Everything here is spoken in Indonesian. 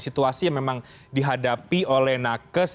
situasi yang memang dihadapi oleh nakes